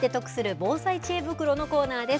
防災知恵袋のコーナーです。